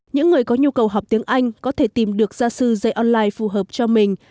những người có nhu cầu học tiếng anh có thể tìm được gia sư dạy online phù hợp cho mình